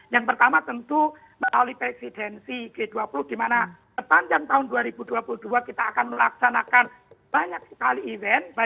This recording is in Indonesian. yang pertama tentu melalui presidensi g dua puluh di mana sepanjang tahun dua ribu dua puluh dua kita akan melaksanakan banyak sekali event